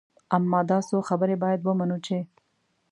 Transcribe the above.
اما دا څو خبرې باید ومنو چې.